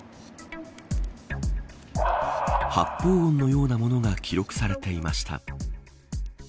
発砲音のようなものが記録されていました。